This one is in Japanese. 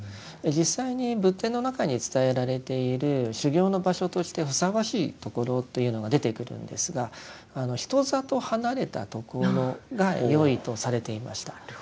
実際に仏典の中に伝えられている修行の場所としてふさわしいところというのが出てくるんですが人里離れたところがよいとされていました。